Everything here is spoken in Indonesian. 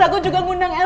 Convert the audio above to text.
aku juga ngundang elsa